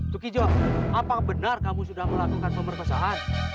tukijo apa benar kamu sudah melakukan pemeriksaan